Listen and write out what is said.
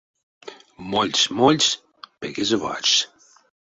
Мольсь, мольсь — пекезэ вачсь.